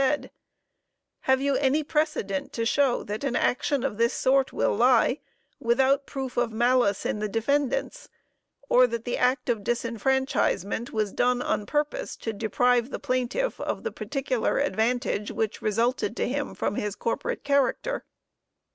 said: "Have you any precedent to show that an action of this sort will lie, without proof of malice in the defendants, or that the act of disfranchisement was done on purpose to deprive the plaintiff of the particular advantage which resulted to him from his corporate character?